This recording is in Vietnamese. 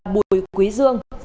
bùi quý dương